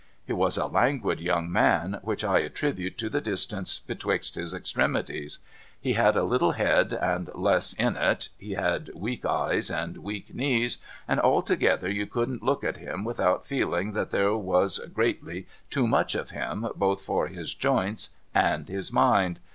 He was a languid young man, which I attribute to the distance betwixt his extremities. He had a little head and less in it, he had weak eyes and weak knees, and altogether you couldn't look at him without feeling that there was greatly too much of him both for his joints and his mind.